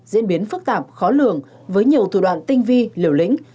diễn biến phức tạp khó lường với nhiều thủ đoạn tinh vi liều lĩnh